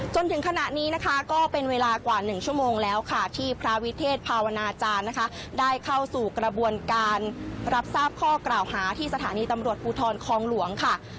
จนถึงขณะนี้นะคะก็เป็นเวลากว่า๑ชั่วโมงแล้วค่ะที่พระวิเทศภาวนาจารย์นะคะได้เข้าสู่กระบวนการรับทราบข้อกล่าวหาที่สถานีตำรวจภูทรคองหลวงค่ะ